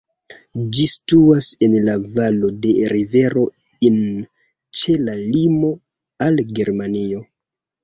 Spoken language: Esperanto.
Ĝi situas en la valo de rivero Inn, ĉe la limo al Germanio.